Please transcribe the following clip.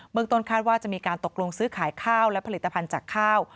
เมืองต้นคาดว่าจะมีการตกลงซื้อขายข้าวและผลิตภัณฑ์จากข้าว